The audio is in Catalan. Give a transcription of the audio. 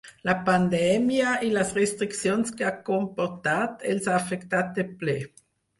La pandèmia, i les restriccions que ha comportat, els ha afectat de ple.